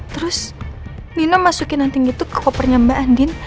terus nina masukin anting itu ke kopernya mbak andin